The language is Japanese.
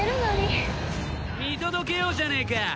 見届けようじゃねえか。